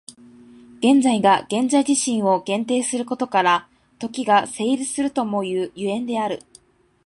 現在が現在自身を限定することから、時が成立するともいう所以である。